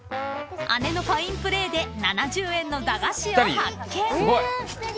［姉のファインプレーで７０円の駄菓子を発見］